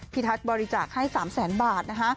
พิทัศน์บริจาคให้๓แสนบาท